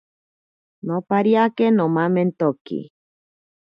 Nopariake nomamentoki.